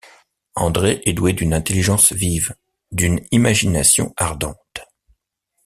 André est doué d’une intelligence vive, d’une imagination ardente.